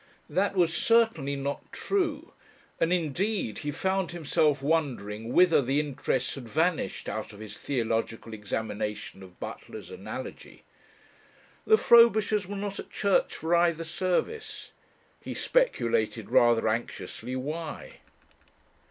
That was certainly not true, and indeed he found himself wondering whither the interest had vanished out of his theological examination of Butler's Analogy. The Frobishers were not at church for either service. He speculated rather anxiously why?